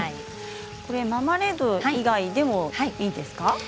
マーマレード以外でもいいですか？